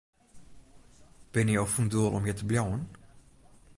Binne jo fan doel om hjir te bliuwen?